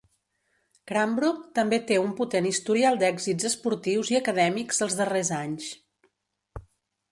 Cranbrook també té un potent historial d'èxits esportius i acadèmics els darrers anys.